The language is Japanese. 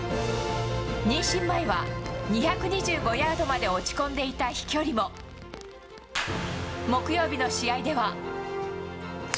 妊娠前は２２５ヤードまで落ち込んでいた飛距離も、木曜日の試合では。